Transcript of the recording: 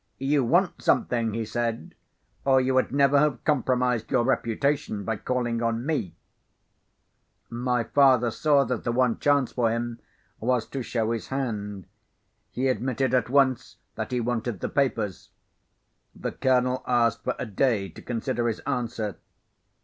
'You want something,' he said, 'or you would never have compromised your reputation by calling on me.' My father saw that the one chance for him was to show his hand; he admitted, at once, that he wanted the papers. The Colonel asked for a day to consider his answer.